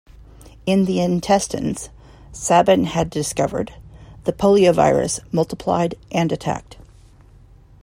In the intestines, Sabin had discovered, the poliovirus multiplied and attacked.